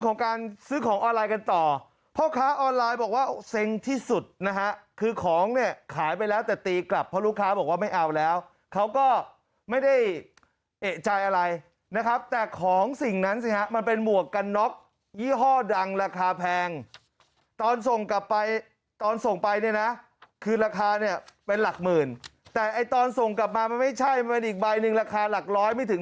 ของการซื้อของออนไลน์กันต่อพ่อค้าออนไลน์บอกว่าเซ็งที่สุดนะฮะคือของเนี่ยขายไปแล้วแต่ตีกลับเพราะลูกค้าบอกว่าไม่เอาแล้วเขาก็ไม่ได้เอกใจอะไรนะครับแต่ของสิ่งนั้นสิฮะมันเป็นหมวกกันน็อกยี่ห้อดังราคาแพงตอนส่งกลับไปตอนส่งไปเนี่ยนะคือราคาเนี่ยเป็นหลักหมื่นแต่ไอ้ตอนส่งกลับมามันไม่ใช่มันอีกใบหนึ่งราคาหลักร้อยไม่ถึง